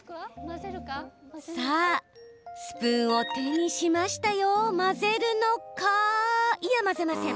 さあスプーンを手にしましたよ混ぜるのかいや混ぜません。